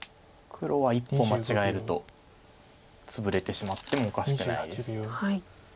黒は一歩間違えるとツブれてしまってもおかしくないです。